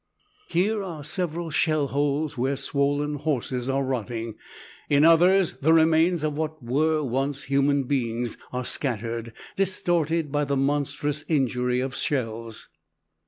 Here are several shell holes where swollen horses are rotting; in others the remains of what were once human beings are scattered, distorted by the monstrous injury of shells.